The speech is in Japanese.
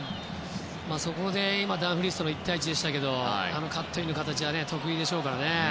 そこで今、ダンフリースとの１対１でしたけどもバレンシアはあのカットインの形は得意でしょうからね。